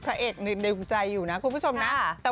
พระเอกหนึ่งในวงใจอยู่นะคุณผู้ชมนะ